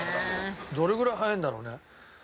どれぐらい早いんだろうね？